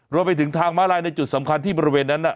รวมไปถึงทางม้าลายในจุดสำคัญที่บริเวณนั้น